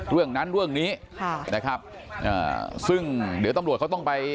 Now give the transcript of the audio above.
เรื่องนั้นเรื่องนี้ซึ่งเดี๋ยวตำรวจเขาต้องไป